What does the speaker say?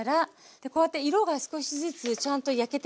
こうやって色が少しずつちゃんと焼けてきてますよね。